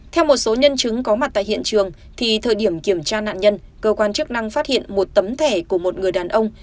theo một số nhân chứng có mặt tại hiện trường thời điểm kiểm tra nạn nhân cơ quan chức năng phát hiện một tấm thẻ của một người đàn ông